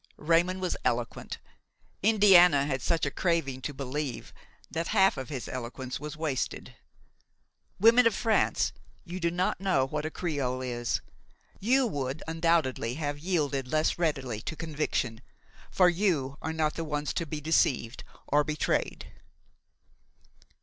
Raymon was eloquent; Indiana had such a craving to believe, that half of his eloquence was wasted. Women of France, you do not know what a creole is; you would undoubtedly have yielded less readily to conviction, for you are not the ones to be deceived or betrayed!